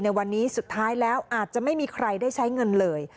ในวันนี้สุดท้ายแล้วอาจจะไม่มีใครได้ใช้เงินเลย